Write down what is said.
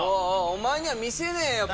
お前には見せねえよ！